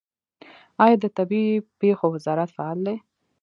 آیا د طبیعي پیښو وزارت فعال دی؟